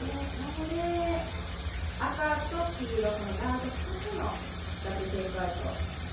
なので赤と黄色、ガード２つのダブル・テイクアウト。